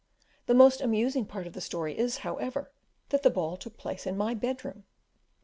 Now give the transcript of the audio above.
The most amusing part of the story is, however, that the ball took place in my bed room!